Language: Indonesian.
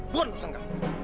bukan urusan kamu